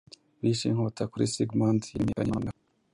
Bishe inkota Kuri Sigmund yamenyekanye noneho